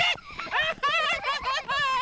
アハハハハ！